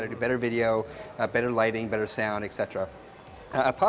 cara membuat video yang lebih baik dengan lebih banyak cahaya dengan lebih banyak bunyi dan sebagainya